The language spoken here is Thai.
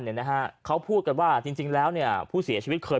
นะฮะเขาพูดว่าอาจจริงแล้วเนี่ยอ่ะผู้เสียชีวิตเคย